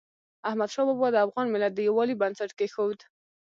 احمدشاه بابا د افغان ملت د یووالي بنسټ کېښود.